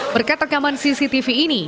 berkat rekaman cctv ini